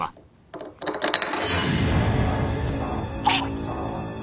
あっ。